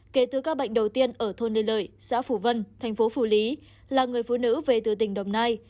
kể từ ca bệnh đầu tiên ở thôn lê lợi xã phủ vân thành phố phủ lý là người phụ nữ về từ tỉnh đồng nai